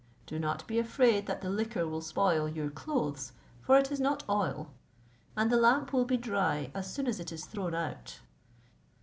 Do not be afraid that the liquor will spoil your clothes, for it is not oil; and the lamp will be dry as soon as it is thrown out.